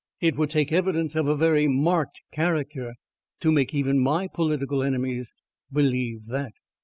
It would take evidence of a very marked character to make even my political enemies believe that.